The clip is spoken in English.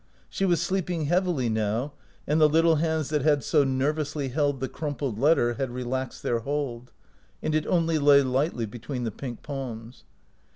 She was sleeping heavily now, and the little hands that had so ner vously held the crumpled letter had relaxed their hold, and it only lay lightly between the pink palms.